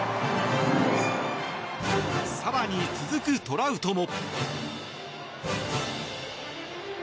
更に、続くトラウトも。